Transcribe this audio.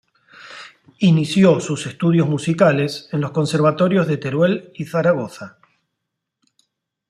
Inició sus estudios musicales en los conservatorios de Teruel y Zaragoza.